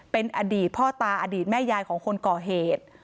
เป็นอดีตพ่อตาอดีตแม่ยายของคนก่อเหตุ